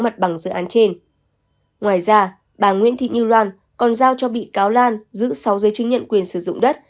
mặt bằng dự án trên ngoài ra bà nguyễn thị như loan còn giao cho bị cáo lan giữ sáu giấy chứng nhận quyền sử dụng đất